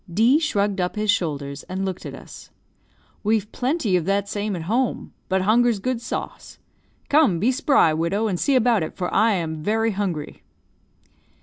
D shrugged up his shoulders, and looked at us. "We've plenty of that same at home. But hunger's good sauce. Come, be spry, widow, and see about it, for I am very hungry."